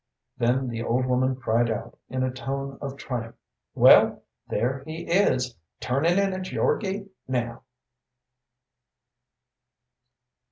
Then the old woman cried out, in a tone of triumph, "Well, there he is, turnin' in at your gate now."